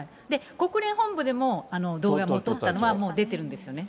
国連本部でも動画も撮ったのはもう出てるんですよね。